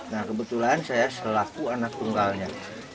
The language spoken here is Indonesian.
nah kebetulan saya selaku anak tunggalnya